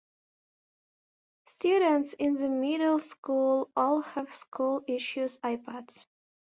Students in the middle school all have school issued iPads.